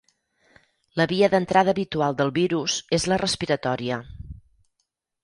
La via d'entrada habitual del virus és la respiratòria.